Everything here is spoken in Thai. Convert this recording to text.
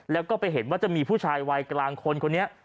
แล้วก็ไปเห็นว่าจะมีผู้ชายวัยกลางคนคนนี้